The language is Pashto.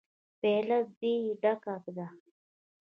_پياله دې ډکه ده.